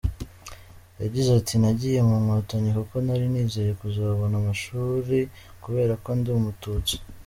Yagize ati nagiye mu Nkotanyi kuko ntari nizeye kuzabona amashuri kubera ko ndi umututsi.